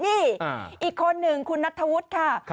นี่อีกคนหนึ่งคุณนัทธวุฒิค่ะ